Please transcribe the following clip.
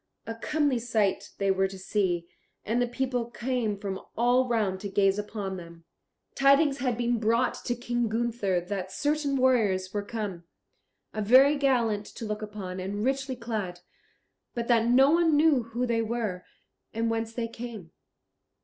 A comely sight they were to see, and the people came from all round to gaze upon them. Tidings had been brought to King Gunther that certain warriors were come, very gallant to look upon and richly clad, but that no one knew who they were, and whence they came.